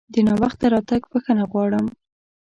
د ناوخته راتګ بښنه غواړم!